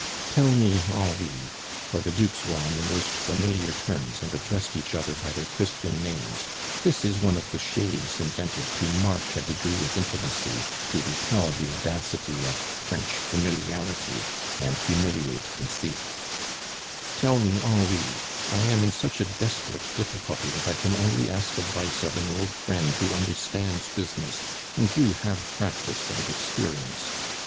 "Tell me, Henri" for the Dukes were on the most familiar terms, and addressed each other by their Christian names. This is one of the shades invented to mark a degree of intimacy, to repel the audacity of French familiarity, and humiliate conceit "tell me, Henri, I am in such a desperate difficulty that I can only ask advice of an old friend who understands business, and you have practice and experience.